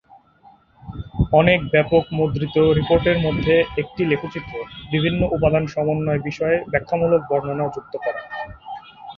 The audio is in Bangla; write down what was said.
অনেক ব্যাপক মুদ্রিত রিপোর্ট এর মধ্যে একটি লেখচিত্র বিভিন্ন উপাদান সমন্বয় বিষয়ে ব্যাখ্যামূলক বর্ণনা যুক্ত করা।